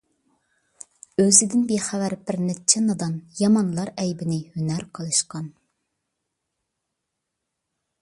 ئۆزىدىن بىخەۋەر بىرنەچچە نادان، يامانلار ئەيىبىنى ھۈنەر قىلىشقان.